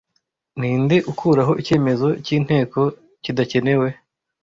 Ni nde ukuraho icyemezo cy'Inteko kidakenewe